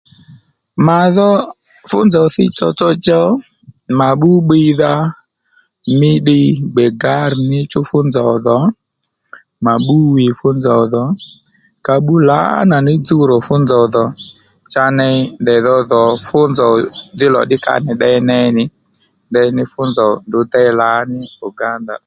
Mà dho fú nzòw thíy tsotso djow mà bbú bbiydha mí ddiy gbè gǎrr níchú fú nzòw dhò mà bbú hwî fú nzòw dhò ka bbú lǎnà ní dzuw rò fú nzòw dhò cha ney ndèy dho dhò fú nzòw dhí lò ddí ka nì ddey ney nì ndeyí fú nzòw ndrǔ déy lǎní Uganda ó